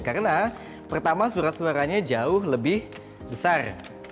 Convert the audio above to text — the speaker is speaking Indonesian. karena pertama surat suaranya jauh lebih besar